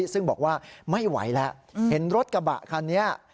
ซึ่งบอกว่าไม่ไหวแล้วเห็นรถกระบะคันนี้